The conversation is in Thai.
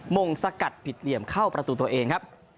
มงสกัดผิดเหลี่ยมเข้าประตูตัวเองครับ